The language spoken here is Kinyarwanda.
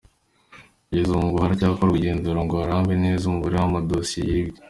Kugeza ubu ngo haracyakorwa igenzura ngo harebwe neza umubare w’amadosiye yibwe.